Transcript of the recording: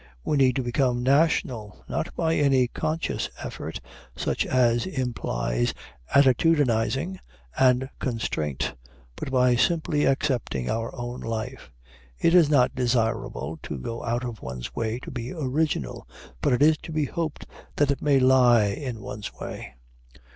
We need to become national, not by any conscious effort, such as implies attitudinizing and constraint, but by simply accepting our own life. It is not desirable to go out of one's way to be original, but it is to be hoped that it may lie in one's way.